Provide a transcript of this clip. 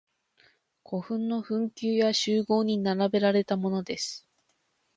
古墳の墳丘や周濠に並べられたものです。